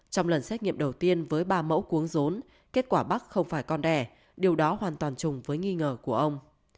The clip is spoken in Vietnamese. trong lần xét nghiệm đầu tiên với ba mẫu cuốn rốn kết quả bắc không phải con đẻ điều đó hoàn toàn chùng với nghi ngờ của ông